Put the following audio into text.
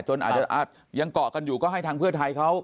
อาจจะยังเกาะกันอยู่ก็ให้ทางเพื่อไทยเขา